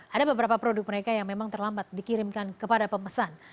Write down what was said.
ada beberapa produk mereka yang memang terlambat dikirimkan kepada pemesan